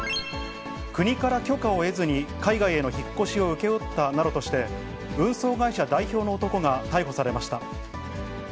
国から許可を得ずに海外への引っ越しを請け負ったなどとして、運送会社代表の男が逮捕されました。